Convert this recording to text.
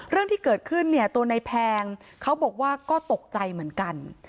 เรื่องที่เกิดขึ้นเนี่ยตัวในแพงเขาบอกว่าก็ตกใจเหมือนกัน